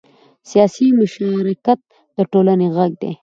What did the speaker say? سیاسي مشارکت د ټولنې غږ دی